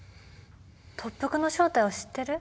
特服の正体を知ってる？